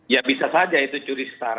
ya bisa saja itu curi star